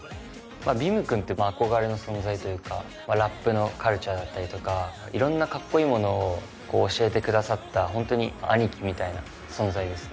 ＢＩＭ君って憧れの存在というかラップのカルチャーだったりとかいろんなカッコいいものを教えてくださったホントに兄貴みたいな存在です。